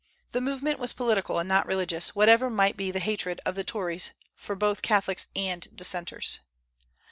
The movement was political and not religious, whatever might be the hatred of the Tories for both Catholics and Dissenters.